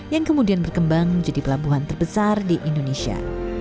yang kemudian berkembang menjadi pelabuhan terbesar di indonesia